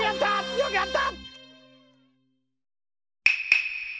よくやった！